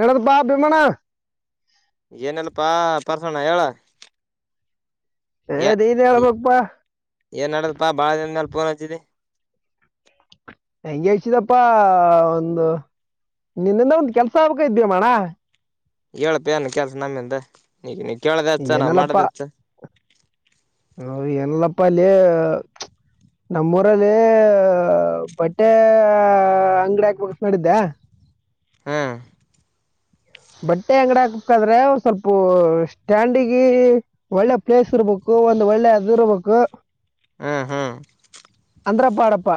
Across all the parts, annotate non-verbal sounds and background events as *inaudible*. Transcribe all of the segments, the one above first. ಎನದಪ್ಪಾ ಬಿಮಣ ಏನಲ್ಪಾ ಪರ್ಸೋಣ ಹೇಳ ಹದೀನ್ ಹೇಳ ಪಪ್ಪಾ ಏನ್ ನಡದಪಾ ಬಾಳ ದಿನ ಮೇಾಲ ಪಫೋನ್ ಹಚ್ಚಿದಿ ಹೆಂಗಗೆ ಹಚ್ಚಿದಪ್ಪಾ ಒಂದು ನಿನ್ನಿಂದ ಒಂದ ಕೆಲ್ಸ ಆಗ್ಬೇಕ ಇದ್ಯಮ್ಮಣ್ಣ ಹೇಳ್ಪ ಏನು ಕೆಲ್ಸ ನಮ್ಮಿಂದ ನೀಗ ನೀ ಕೇಳ್ದ ಅಚ್ಚ ನಾವ ಏನಲ್ಲಪ್ಪ ಮಾಡ್ದಚ್ಚ ಹ ಎಲ್ಲಪ್ಪಾಲಯ ನಮ್ಮೂಊರಲ್ಲಿ ಬಟ್ಟೆ ಅಂಗಡಿ ಹಾಕ್ಬಿಡ್ ಮಾಡಿದ್ದೆ ಹಾಂ ಬಟ್ಟೆ ಅಂಗಡ ಹಾಕ್ಬೇಕಾದ್ರೆ ಒ ಸ್ವಲ್ಪ ಸ್ಟ್ಯಾಂಡಗ ಒಳ್ಳೆ ಪ್ಲೇಸ್ ಇರ್ಬೇಕು ಒ ಒಳ್ಳ ಅದುರವಕ ಹ್ಮ್ ಹ್ಮ್ ಅಂದ್ರಪ್ಪಾಡಪ್ಪ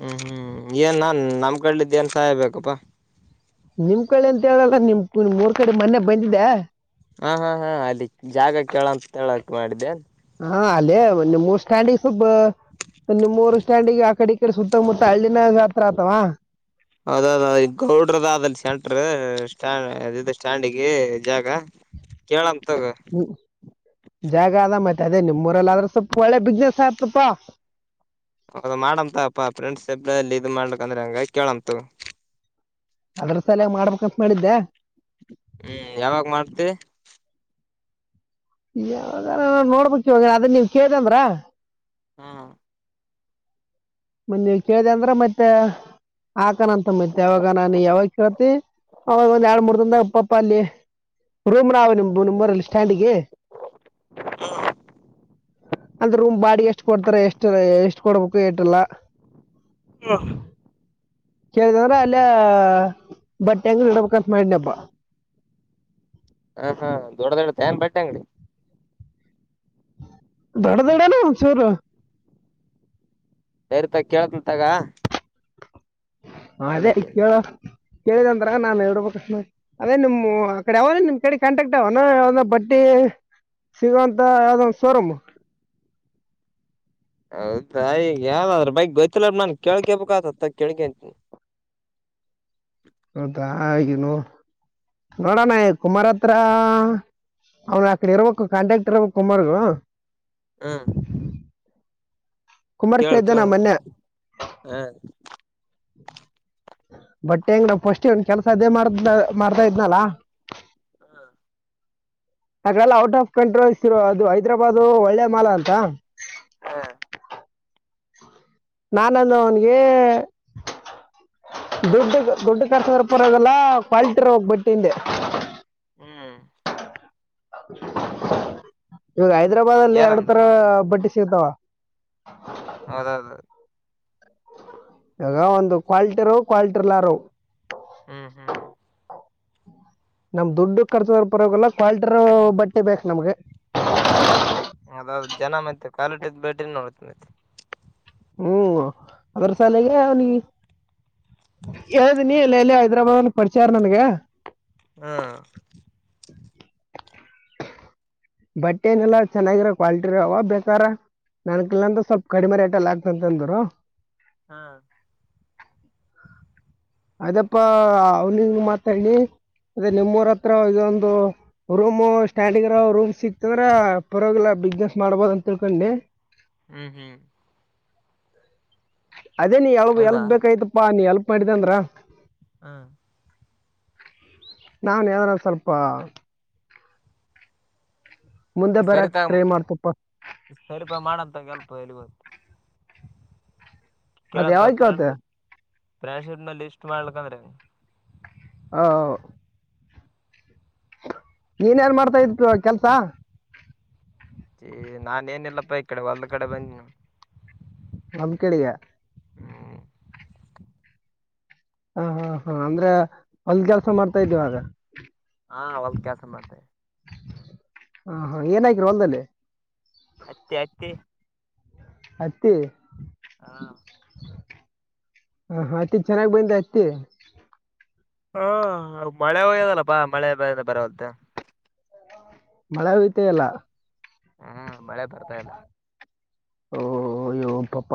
ಹ್ಮ್ ಹ್ಮ್ ಏನ್ ನಮ್ ಕಡ್ಲಿದ್ದೇಏನ್ ಸಹಾಯ ಬೇಕಪ್ಪಾ ನಿಮ್ ಕಡೆ ಅಂತ ಹೇಳಲ್ ನಿಮ್ ನಿಮ್ ಮೂರ್ ಕಡೆ ಮೊನ್ನೆ ಬಂದಿದೆ ಹಾ ಹಾ ಹಾ ಅದ ಜಾಗ ಕೇಳಂತ ಹೇಳಕ್ ಮಾಡಿದ್ದೇ ಹಾ ಅಲ್ಲೇ ಒಂದ ಮೂರ್ ಸ್ಟ್ಯಾಂಡಿಗೆ ಸವಬ ನಿಮ್ೂರು ಸ್ಟ್ಯಾಂಡ್ಿಗೆ ಆ ಕಡೆ ಈ ಕಡೆ ಸುತ್ತ ಮುತ್ತ ಹಳ್ಳಿನ ಹತ್ರ ಆತವಾ ಹೌದೌದ ಸ್ಟದು ಸ್ಟ್ಯಾಂಡಿಗೆ ಜಾಗ ಕೇಳಂ ತಗ ಜಾಗ ಅದ ಮತ್ತೆ ಅದೇ ನಿಮ್ಮ್ಊರಲ್ಲ ಆದ್ರೆ ಸ್ವಲ್ಪ ಒಳ್ಳೆ ಬಿಸ್ನೆಸ್ ಆಯತಪಾ ಹೌದ ಮಾಡಂಂತಪ್ಪಾ ಫ್ರೆಂಡ್ಸ್ಬ ಮಾಡ್ಲಕ್ ಅಂದ್ರೆ ಹಂಗ ಕೇಳಂತ ಅದ್ರ ಸಲಯ ಮಾಡ್ಬೇಕಂತ ಹೇಳಿದ್ದೆ ಹ್ಮ್ ಯಾವಾಗ ಮಾಡ್ತಿ ಯಾವಾಗ ನ ನೋಡ್ಬೇಕ ಇವ ಅದ ನೀವ್ ಕೇಳ್ದಂದ್ರ ಹಾ ಮ ನೀವ ಕೇಳ್ದ ಅಂದ್ರ ಮತ್ತೆ ಹಾಕಣಂತ ಮತ್ತ ಯಾವಾಗ ನಾನ ಯಾವಾಗ ಕೇಳ್ತಿ ಅವಾಗ ಒಂದ್ ಎರಡ್ ಮೂರ್ ದನ್ದಾಗ ಪ್ಪ ಪ ಅಲ್ಲಿ ರೂಮ್ರಾವ ನಿ ನಿರಲ್ಲಿ ಸ್ಟ್ಯಾಂಡಿಗೆ ಅಂದ ರೂಮ್ ಬಾಡಿಗೆ ಎಷ್ಟ್ ಕೊಡ್ತಾರೆ ಎಷ್ಟ ಎಷ್ಟ್ ಕೊಡ್ಬೇಕು ಟಲ್ಲ ಎಫ ಕೇಳ್ದಂದ್ರ ಅಲ್ಲ ಬಟ್ಟೆ ಅಂಗ ಇಡ್ಬೇಕಂತ ಮಾಡನಿ ಹಬ್ಬಾ ಹಾ ಹಾ ದೊಡ್ಡ ದೊಡ್ಡ ತ ಏನ್ ಬಟ್ಟೆ ಅಂಗಡಿ ಡಧಡೆನು ಸರು ಸರಿ ತ ಕೇೇಳತಂತಗ ಹದೇ ಇಳ ಕೇಳಿದಂರ ನಾನನ್ ಇಡ್ಬೇಕ ಅದೇ ನಿಮ್ ಆ ಕಡೆ ಯಾವ ನಿಮ್ ಕಡೆ ಕಾಂಟಾಕ್ಟ್ ಅವಾನ ಬಟ್ಟಿ ಸಿಗಂತ ಅದೊಂದು ಸ್ವರಂ ಹೌದಾ ಈಗ ಯಾವ್ದಾದ್ರರು ಬೈಗ್ ಗೊತ್ತಿಲ್ಲ ನನ್ ಕೇಳ್ಕಬೇಕ ಆತತ್ತ ಕೇಳ್ಕಂತನಿ ಹೌದಾ ಹಾಗನು ನೋಡಣ ಕುಮಾರತ್ರ ಅವ್ನು ಅಕಡೆ ಇರಬೇಕಂಟ್ರಾಕ್ಟರ್ ಇರಬೇಕ ಕುಮಾರಗ ಹ್ಮ. ಕುಮಾರ್ ಕೇಳಿದ್ದ ನ ನೋಡ ಮೊನ್ನೆ. ಹ ಬಟ್ ಹೆಂಗ ನಾ ಫಸ್ಟ್ ನ್ಲ್ ಕೆಲ್ಸ ಅದೇ ಮಾಡ ಮಾಡ್ತಾ ಇದ್ನಲ್ಲ. ಹಾಗೆಲ್ಲ ಔಟ್ ಆಫ್ ಕಂಟ್ರೋಲ್ ಅದು ಹೈದ್ರಾಬಾದದು ಒಳ್ಳೆ ಮಾಲಾ ಅಂತ. ಹಾ. ನಾನಂದು ಅವನ್. ಗೆ ದುಡ್ದು ದುಡ್ಡು ಖರ್ಚದ್ರೂ ಪರವಾಗಿಲ್ಲ ಕ್ವಾಲಿಟಿರೋ ಇರೋ ಬಟ್ಟೆ ಹಿಂದೆ. ಹ್ಮ್. ಇವಾಗ ಹೈದ್ರಾಬಾದ್ ಅಲ್ಲಿ ಎರಡು ಏನಂದ ತರ ಬಟ್ಟಿ ಸಿಗತಾವ. ಹೌದೌದುದು. ಇವಾಗ ಒಂದು ಕ್ವಾಲಿಟಿರು ಕ್ವಾಲಟಿರ್ಲ್ಲಾರು. ಹ್ಮ್ ಹ್ಮ್ ನಮ್ಮ್ ದುಡ್ಡು ಕರ್ಚ್ರದ್ರು ಪರಾಗಿಲ್ಲ ಕ್ವಾಲಿಟಿ ಇರೋ ಬಟ್ಟೆ ಬೇಕು ನಮ್ಗೆ. ಅದ ಜನ ಮತ್ತೆ ಕಾಲಿಟ್ದ್ ಬೇಟ್ರ ನೋಡತ ಮತ್ತ. ಹ್ಮ್ ಅದರ ಸಾಲೆಗೆ ಅವನ. ಹೇಳ್ದೀನಿ ಎಲ್ಲ ಎಲ್ಲಿ ಹೈದ್ರಾಬಾದ್ನ್ ಪರಿಚಯಾರ್ ನನ್ಗೆ. ಹಾ. ಬಟ್ಟೆ ಏನೆಲ್ಲಾ ಚೆನ್ನಾಗಿರ ಕ್ವಾಲಿಟಿರ ಅವ ಬೇಕಾರ. ನನ್ಕಲ್ಲಂದ ಸ್ವಲ್ಪ ಕಡಿಮರಿ ಆಟೆಲ್ಲ ಆಗ್ತಂತಂದರು. ಹಾ. ಅದಪ್ಪಾ ಅವನಿ ಮಾತಾಡ್. ಅೇ ನಿಮ್ಮೂರ ಹತ್ರ ಇದೊಂದು ರೂಮ್ ಸ್ಟ್ಯಾಂಡಗರ ರೂಮ್ ಸಿಕ್ತದ್ರ ಪರವಾಗಿಿಲ್ಲ. ಬಿಸ್ನೆಸ್ ಮಾಡ್ಬೋದು ಅಂತ ತಿಳ್ಕೊಂಡಿ. ಹ್ಮ್ ಹ್ಮ್. ಅದೇ ನೀ ಎ ಹೌದಾ ಎಲ್ಪ್ ಬೇಕಾಯ್ತಪ್ಪಾ ನೀ ಎಲ್ಪ್ ಮಾಡಿದ್ದ ಅಂದ್ರ. ಹಾ. ನಾನ್ ಯಾದನ ಸ್ವಲ್ಪ. ಮುಂದೆ ಬರಕ್ ಸರಿತಾಗ ಟ್ರೈ ಮಾಡ್ತಪ್ಪ ಸರಿಪ ಮಾಡಂತ ಕೆಲ್ಪ ಎಲ್ಲಿ ಗತ್ತು. ಅದು ಕೇಳಂತ ಯಾವಾಗ ಫ್ಯಾಂಡ್ ಕೇಳ್ತೆ ಶೀಟ್ ಫ್ಯಾಂಡ್ ಶೀಟ್ ನಲ್ಲಿ ಇಷ್ಟ ಮಾಡ್ಲಕ್ ಅಂದ್ರೆ. ಹ. ನೀನ್ ಏನ್ ಮಾಡ್ತಾ ಇದ ಕೆಲ್ಸ. ನಾನ ಏನಿಲ್ಲಪ್ಪ ಈ ಕಡೆ ಒಲ್ ಕಡೆ ಬಂದ ನೀ. ಹೊಲದ್ದ್ ಕಡೆಯ. ಹ್ಮ್ ಹ ಹಾ ಹಾ ಅಂದ್ರೆ ಹೊಲ್ ಕೆಲ್ಸ ಮಾಡ್ತಾ ಇದಿಯಾ ಇವಾಗ. ಹಾ ಹೊಲದ್ದ್ ಕೆಲ್ಸ ಮಾಡ್ತೇವೆ. ಹ ಹಾ ಏನಾಗ್ರ ಹೊಲ್ದದಲ್ಲಿ. ಹತ್ತಿ ಹತ್ತಿ. ಹತ್ತಿ. ಹಾ ಹ ಹ ಹತ್ತಿ ಚೆನ್ನಾಗ್ ಬಂದ ಹತ್ತಿ. ಹಾ ಮಳೆ ಹಯ್ಯದಲ್ಲ ಬಾ ಮಳೆ ಬರಹ್ದೆ. ಮಳೆ ಹಯತೆಯಲ್ಲ. ಹಾ ಮಳೆ ಬರ್ತಾ ಇಲ್ಲ. ಓಯ್ಯೋ ಪಾಪ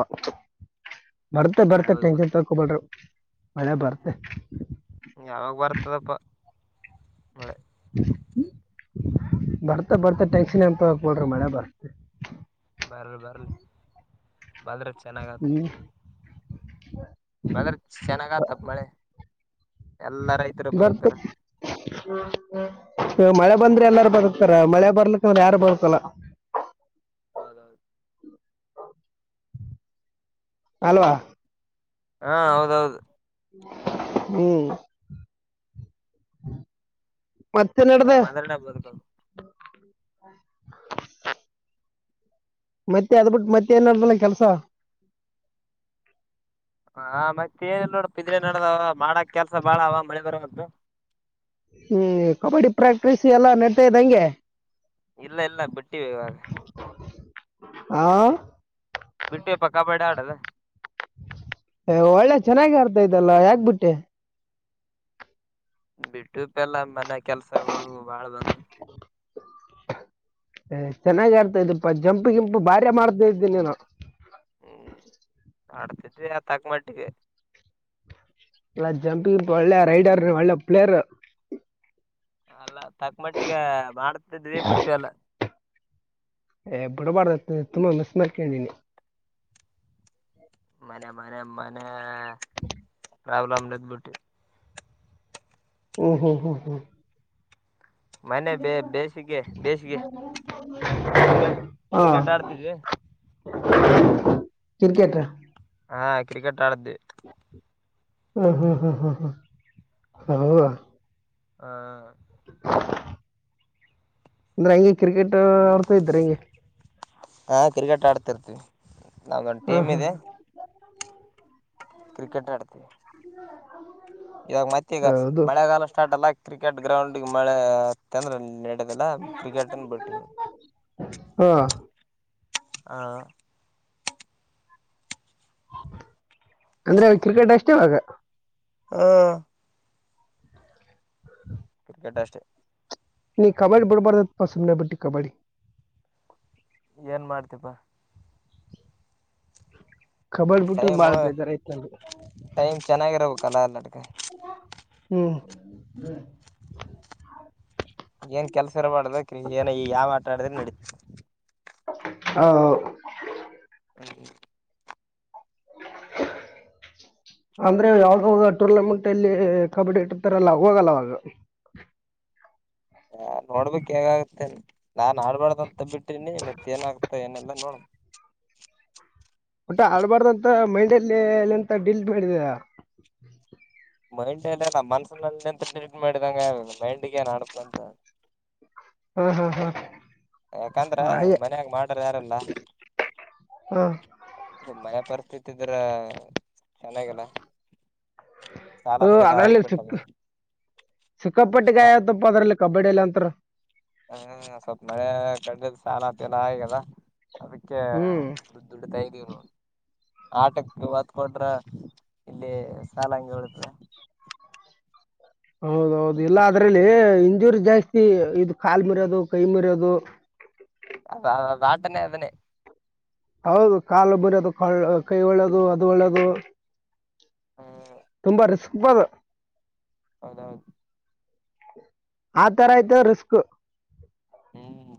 ಬರ್ತ ಮಳೆ ಬರ್ತ ಹೋಗ್ಬಿಡು ಟೆನ್ಕ್ಷನ್ ತಕೊಬಲ್ರು. ಮಳೆ ಬರ್ತೆೆ. ಯಾವಾಗ ಬರ್ತದಪ್ಪ ಮಳೆ. ಹ ಬರ್ತಾ ಬರ್ತಾ ಟೆನ್ಕ್ಷನ್ ಎಂಪಕಡ್ರಿ ಮಳ ಬರ್ತ. ಬರ್ಲಿ ಬರ್ಲಿ. ಬದ್ರ ಚೆನ್ನಾಗ್ತಾದ. ಹ. ಬದ್ರ ಚೆನ್ನಾಗತಪ್ ಮಳೆ ಎಲ್ಲಾ ರೈತರು ಬದುಕ್ತಾರ. ಹ್ಮ್ ಹ್ಮ್. ಮಳೆ ಬಂದ್ರೆ ಎಲ್ಲಾರು ಬಗತಾರ ಮಳೆ ಬರ್ಲಿಕ್ಕ ಅಂದ್ರೆ ಯಾರು ಬರತ್ತಲ್ಲ ಹೌದೌದು ಅಲ್ವಾ ಹಾ ಹೌದೌದು ಹ್ಮ್ ಮತ್ತನ್ನ ಇಡದ ಮಳೆ ಬಂದ್ರನ ಬದುಕದು ಮತ್ತೆ ಅದ ಬಿಿಟ್ಟು ಮತ್ತೆ ಏನಡ್ದಲ್ಲ ಕೆಲ್ಸ ಹ ಮತ್ತೆ ಏ ನೋಡ ಬಿದ್ರೆ ನಡದವ ಮಾಡಕ್ ಕೆಲ್ಸ ಬಾಳ ಅವ ಮಳೆ ಬರ್ದು ಹ್ಮ್ ಕಬಡ್ಡಿ ಪ್ರಾಕ್ಟೀಸ್ ಎಲ್ಲ ನಡ್ತಾ ಇದ್ದಂಗೆ ಇಲ್ಲ ಇಲ್ಲ ಬಿಟ್ಟಿವ ಇವಾಗ ಹಾ ಬಿಟ್ಟವಿಪ್ಪ ಕಬಾಡಿ ಆಡದ ಒಳ್ಳೆ ಚೆನ್ನಾಗಿ ಆರ್ತಾ ಇದಲ್ಲ ಯಾಕ್ಬಿಟ್ಟೆ ಬಿಟ್ಟು ಪಲ್ಲ ಮನೆ ಕೆಲ್ಸಗಳು ಬಾಳ್ ಬಂದ್ ಹ ಚೆನ್ನಾಗ ಆರ್ತಾ ಇದಪ್ಪಾ ಜಂಪ್ ಗಿಂಪು ಭಾರ ಮಾಡ್ತಾ ಇದ್ದೀನಿ ನೀನು ಹ್ಮ್ ಅಡ್ತಿಟ್ಟ ಯತಾಕ ಮಾಡಟ್ಟಿಗೆ ಎಲ್ಲ ಜಂಪಿಂಗ ಒಳ್ಳೆ ರೈಡರ್ ಒಳ್ಳೆ ಪ್ಲೇಯರ್ ಅಲ್ಲ ತಕ್ಕ ಮಟ್ಟಿಿಗೆ ಮಾಡ್ತಿದ್ವಿ ಬಿಟ್ಟವಿ ಅಲ್ಲ ಏ ಬಿಡಬಾರಡ್ದ ತುಂಬಾ ಮಿಸ್ ಮಾಡ್ಕೊಂಡೀನಿ ಮನೆ ಮನೆ ಮನೆ ಪ್ರಾಬ್ಲಮ ನದ್ ಬಿಟ್ಟು ಹ್ಮ್ ಹ್ಮ್ ಹ್ಮ್ ಹ್ಮ್ ಮನೆ ಬೇ ಬೇಸಿಗೆ ಬೇಸಿಗೆ ಕ್ರಿಕೆಟ್ ಕ್ರಿಕೆಟ್ ಆಡ್ತಿದ್ವಿ ಹ್ಮ್ಮ್. ಕರಿಿಕೆಟ್್ರ ಹಾ cricket ಆಡ್ದು hmm hmm hmm hmm hmm how ಹಾ ಹ್ಮ್ಮ್. ಅಂದ್ರೆ ಹಂಗೆ ಕ್ರಿಕೆಟ್ ಆಡ್ತಾ ಇದ್ದ್ರ ಹಿಂಗೆ ಹಾ ಕ್ರಿಕೆಟ್ ಆಡ್ತಿರ್ತೀವಿ ನಮ್ದೊಂದು ಟೀಮ್ ಇದೆ ಹ ಕ್ರಿಕೆಟ್ ಆಡ್ತವಿ ಹ ಇವಾಗ ಮತ್ತೆ ಈಗ ಮಳೆಗಾಲ ಸ್ಟಾರ್ಟ್ ಅಲ್ಲ ಕ್ರಿಕೆಟ್ ಗ್ರೌಂಡ್ಗ್ ಮಳೆ ತಂದ್ರ ನ ಲ್ಲ ಕ್ರಿಕೆಟ್ ಅನ್ ಬಟ್ಟಿಂಗ ಹಾ ಹ ಅಂದ್ರೆ ಕ್ರಿಕೆಟ್ ಅಷ್ಟೆವಾಗ ಹಾ ಹ ಕ್ರಿಕೆಟ್ ಅಷ್ಟೇ ನೀ ಕಬಡ್ಡಿ ಬಿಡಬಾರ್ದ ಪಸಮನ್ನ ಬಿಟ್ಟಿ ಕಬಾಡ್ಡಿ ಏನ್ ಮಾಡ್ತಪ್ಪಾ ಬರ ಪುಟ್ಟು ಬಳ ಬೇದಾರ ಇತ ಚೆನ್ನಾಗಿರ್ಬೇಕಲ್ಲ ಎಲ್ಲದಕ್ಕ. ಹ್ಮ್ ಏನ್ ಕೆಲ್ಸ ಇರ ಮಾಡದ ಏನ ಯಾವ ಮಾತಾಡಿದ್ರೆ ನಡೀತ ಹ ಹ ಹ್ಮ್ಮ್. ಅಂದ್ರೆ ಯಾವ್ದಾಗ ಟೂರ್ನಮೆಂಟ್ ಅಲ್ಲಿ ಕಬಡ್ಡಿ ಇಟ್ಟಿರ್ತಾರಲ್ಲ ಹೋಗಲ್ಲವಾಗ ಹಾ ನೋಡ್ಬೇಕಕ್ ಹೇಗಾಗುತ್ತೆ ನಾನ್ ಆಡ್ಬಾರ್ದ ಅಂತ ಬಿಟ್ಟೀನಿ ಮತ್ತೆ ಏನಾಗಗ್ತಾ ಏನೆಲ್ಲ ನೋಡ ಮೈಂಡಲ್ಲಿ ಎಲ್ಲ ಎಂತ ಡಿಲ್ ಮಾಡಿದಿದೆ ಮೈಂಡ್ ಎಲ್ಲ ನಮ್ಮ್ ಮನ್ಸನಲ್ಲಿ ಎಂತ ಟ್ರೀಟ್ ಮಾಡಿದಂಗ ಮೈಂಡಗೆ ಏನ್ ಆಡ್ತಂತ ಹ್ಮ್ ಹ್ಮ್ ಹ್ಮ್ ಯಾಕಂದ್ರ ಮನ್ಯಾಗ ಮಾಡ್ರ ಯಾರೆಲ್ಲ ಹಾ ಮನೆ ಪರಿಸ್ಥಿತಿ ಇದ್ರ ಚೆನ್ನಾಗಲ್ಲ ಹ ಅದ್ರಲ್ಲಿ ಸುಕ್ಕ ಸುಕ್ಕಪಟ್ಟಿ ಗಾಯ ತಪ್ಪ ಅದ್ರಲ್ಲಿ ಕಬಡ್ಡಿಿಯ ಎಲ್ಲ ಅಂತ ಹ್ಮ ಸ್ವಲ್ಪ ಮಳೆ ಕಡ್ಡ ಸಾಲತರ ಆಗದ ಅದಕ್ಕೆ ಹ್ಮ್ ದುಡ್ಡು ದುಡಿತಾ ಇದ್ದೀವ ನೋ ಆಟಕ್ ಹೊತ್ ಕೊೊಟ್ರ ಇಲ್ಲಿ ಸಾಲ ಹಂಗೆ ಉಳತ ಹೌದೌದು ಇಲ್ಲ ಅದ್ರಲ್ಲಿ ಇಂಜೂರಿ ಜಾಸ್ತಿ ಇದು ಕಾಲ್ ಮರಯೋದು ಕೈ ಮರಯೋದು ಅ ಬಾಟನೇ ಅದನ್ನೇ ಹೌದು ಕಾಲು ಬರೋದು ಕ ಕೈ ಒಳ್ಳದು ಅದು ಒಳ್ಳೇದು ಹ್ಮ ತುಂಬಾ ರಿಸ್ಕ್ ಬದು ಹೌದೌದು ಆ ತರಾಯತ ರಿಸ್ಕ್ ಹ್ಮ್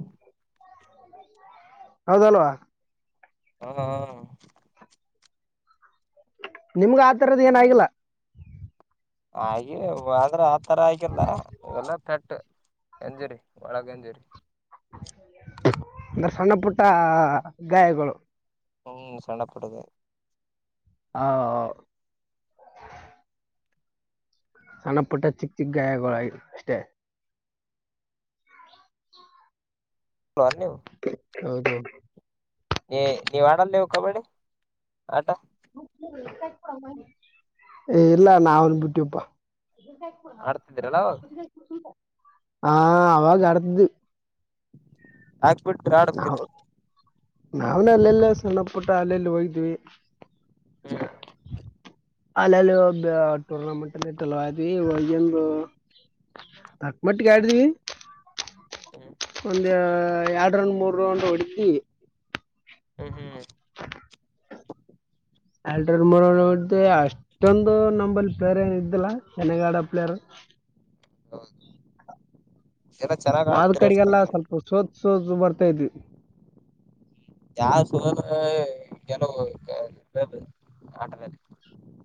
ಹೌದಲ್ವಾ ಹಾ ಹಾ ನಿಮ್ಗ ಆತರದ ಏನಾಗಿಲ್ಲ ಹಾಗೆ ಆದ್ರೆ ಆ ತರ ಆಗಲ್ಲ ಎಲ್ಲ ಪೆಟ್ಟ ಜರಿ ಒಳಗಂ ಸರಿ ಅಂದ್ರೆ ಸಣ್ಣ ಪುಟ್ಟ ಗಾಯಗಳು ಹ್ಮ್ ಸ್ಣಪಡುದು ಹ ಸಣ್ಣ ಪುಟ್ಟ ಚಿಕ್ಕ ಚಿಕ್ಕ ಗಾಯಗಳ ಅಷ್ಟೇ ಹಯ ಹೌದೌದು ನೀ ನೀವು ಆಡಲ್ಲವು ಕಬಡ್ಡಿ ಆಟ ಏ ಇಲ್ಲ ನ ಅವನ್ ಬಿಟ್ಟಪ್ಪಾ ಆಡ್ತಿದ್ರಲ್ಲ ಅವಾಗ ಹಾ ಅವಾಗ ಕಡದುದು ಆಕ್ಬಿಡ್ ಾಡಕ *inaudible* ನಾವ್ನೆ ಅಲ್ಲೆಲ್ಲ ಸಣ್ಣ ಪುಟ್ಟ ಅಲ್ಲೆಲ್ಲಿ ಹಯ್ದ್ ಹ್ಮ್ ಅಲ್ಲಿ ಅಲ್ಲಿ ರ್ನಮೆಂಟ್ ಅಲ್ಲಿ ತಲವತಿ ಒಂದು ತಕ್ಮಟ್ಟಿಗೆ ಆಡ್ದೀವಿ ಹ್ಮ್ ಒಂದ ಎರಡ್ ರೌಂಡ್ ಮೂರ್ ರೌಂಡ್ ಹೊಡತಿ ಹ್ಮ್ ಹ್ಮ್ ಆಲ್ಟ್ರರ್ ಮರ ನೋಡ್ದು ಅಷ್ಟೊಂದು ನಂಬಲ್ಲಿ ಪ್ಲೇಯರ್ ಏನ ಇದ್ದಿಲ್ಲಾ ಶಣಗಾಡ ಪ್ಲೇಯರ್ ಹ ವಾದ ಕಡೆಗೆಲ್ಲ ಸ್ವಲ್ಪ ಸೋದ ಸೋದ ಬರ್ತಾ ಇದ್ವಿ ಯಾ ಸೋ ಕೆಲ ಆಟ ಮಲೆ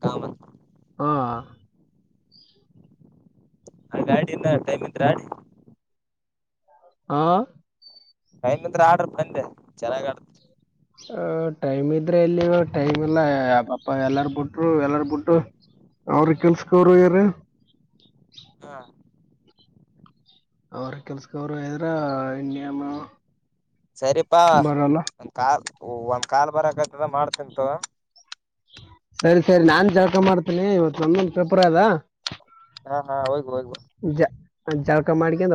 ಕಾಮತ್ ಹಾ ಹಾಗ ಗಾಡಿಂದ ಟೈಮ ಇಂದ ಆಾ ಹಾ ನ್ತ್ ಆಡ್ರ ಬಂದೆ ಚೆನ್ನಾಗ್ ಆಡ್ತರಿ ಹ ಟೈಮ್ ಇದ್ರೆ ಇಲ್ಲಿ ಟೈಮ್ ಇಲ್ಲ ಯ ಪಪ ಎಲ್ಲಾರ ಬಿುಟ್ರು ಎಲ್ಲಾರ ಬಿುಟ್ಟರು ಅವ್ರ ಕೆಲ್ಸಕೋರುಗಾರ ಹಾ ಅವ್ರ ಕೆಲ್ಸವರು ಇದ್ರ ಇಂಡಿಯ ಸರಿಪಾ ಒಂದ ಕಾಲ್ ಒಂದ್ ಕಾಲ್ ಬರಕತದ ಮಾಡ್ತಂತ ಸರಿ ಸರಿ ನಾನ್ ಜಳಕ ಮಾಡ್ತೇನಿ ಇವತ್ತು ಒಮೊಂದ ಪ್ರೆಪರ್ ಅದ ಹಾ ಹಾ ಹೂಗು ಜ ಜಳಕ ಮಾಡಿಕತ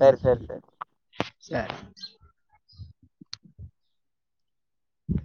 ಸರಿ ಸರಿ ಸರಿ. ಸರಿ ಹ